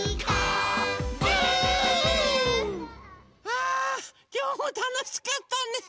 あきょうもたのしかったね！